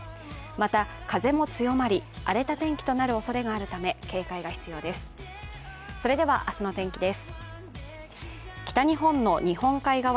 また風も強まり荒れた天気となるおそれがあるため警戒が必要です。